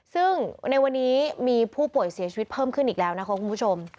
ซึ่งในวันนี้มีผู้ป่วยเสียชีวิตเพิ่มขึ้นอีกแล้วนะคะคุณผู้ชม